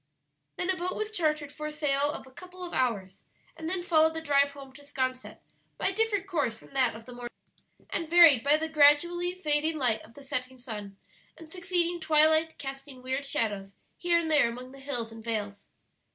Then a boat was chartered for a sail of a couple of hours, and then followed the drive home to 'Sconset by a different course from that of the morning, and varied by the gradually fading light of the setting sun and succeeding twilight casting weird shadows here and there among the hills and vales.